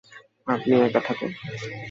আপনি একা থাকেন।